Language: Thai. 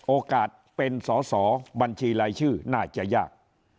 โอกาสเป็นสอสอบัญชีรายชื่อน่าจะยาก